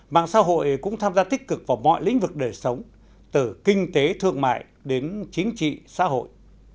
mạng xã hội cũng tham gia tích cực vào mọi lĩnh vực đời sống từ kinh tế thương mại đến chính trị xã hội